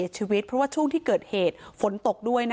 คุณพ่อคุณพ่อคุณพ่อคุณ